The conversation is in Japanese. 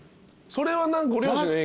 それは。